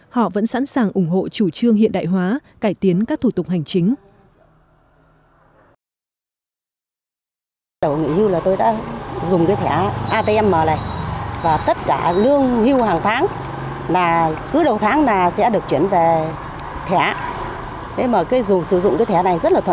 họ vẫn sẵn sàng ủng hộ chủ trương hiện đại hóa cải tiến các thủ tục hành chính